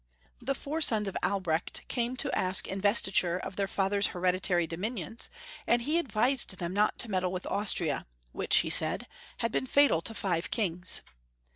The four sons of Albrecht 208 Heinrich VU. 209 came to ask investiture of their father's hereditary dominions, and he advised them not to meddle with Austria, which, he said, had been fatal to five kings.